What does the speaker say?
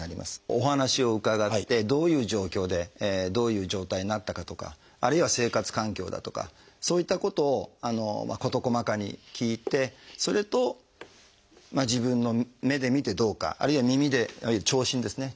お話を伺ってどういう状況でどういう状態になったかとかあるいは生活環境だとかそういったことを事細かに聞いてそれと自分の目で診てどうかあるいは耳で聴診ですね